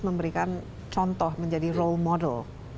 memberikan contoh menjadi role model